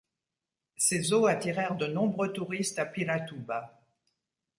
Ces eaux attirèrent de nombreux touristes à Piratuba.